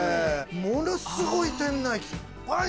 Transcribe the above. ものすごい店内。